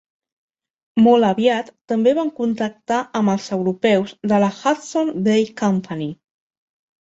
Molt aviat també van contactar amb els europeus de la Hudson's Bay Company.